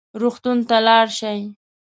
روغتون ته لاړ شئ